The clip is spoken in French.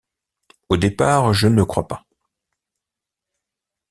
Au départ, je ne crois pas.